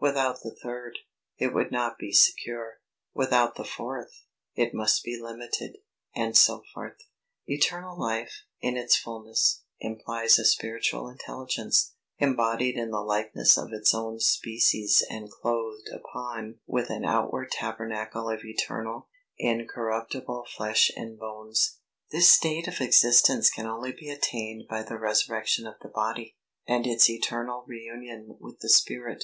Without the third, it would not be secure. Without the fourth, it must be limited, &c. Eternal life, in its fulness, implies a spiritual intelligence, embodied in the likeness of its own species and clothed upon with an outward tabernacle of eternal, incorruptible flesh and bones. This state of existence can only be attained by the resurrection of the body, and its eternal re union with the spirit.